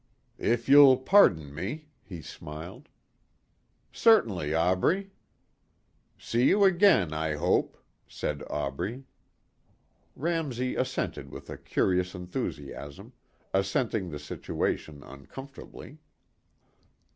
"If you'll pardon me," he smiled. "Certainly, Aubrey." "See you again, I hope," said Aubrey. Ramsey assented with a curious enthusiasm, accenting the situation uncomfortably.